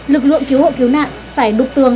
lực lượng cứu hộ cứu nạn phải đục tường